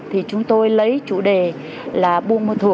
thì chúng tôi lấy chủ đề chúng tôi lấy chủ đề chúng tôi lấy chủ đề